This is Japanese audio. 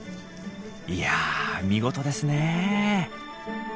いや見事ですねえ。